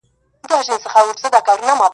باک مي نسته بیا که زه هم غرغړه سم ,